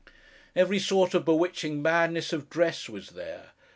Every sort of bewitching madness of dress was there.